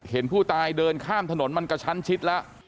เห็นผู้ตายเดินข้ามถนนมันกระชั้นชิดแล้ว